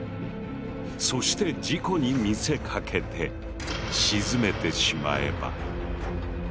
そして事故に見せかけて沈めてしまえば。